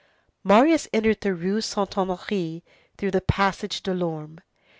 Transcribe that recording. Marius entered the Rue Saint Honoré through the Passage Delorme.